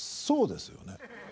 そうですよね。